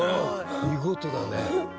見事だね。